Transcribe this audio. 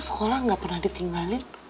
sekolah enggak pernah ditinggalin